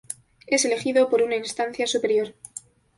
Es elegido por una instancia superior.